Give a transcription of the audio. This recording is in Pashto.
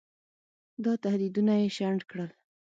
دا تهدیدونه یې شنډ کړل.